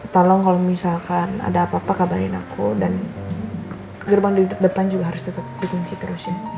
tolong kalau misalkan ada apa apa kabarin aku dan gerbang di depan juga harus tetap dikunci terusin